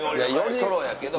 ソロやけど。